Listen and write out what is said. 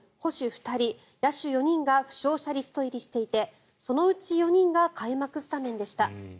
２人、野手４人が負傷者リスト入りしていてそのうち４人が開幕スタメンでした。